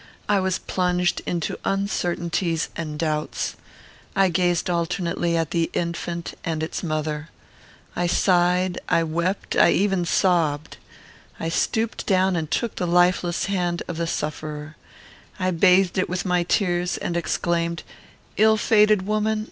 I was plunged into uncertainties and doubts. I gazed alternately at the infant and its mother. I sighed. I wept. I even sobbed. I stooped down and took the lifeless hand of the sufferer. I bathed it with my tears, and exclaimed, "Ill fated woman!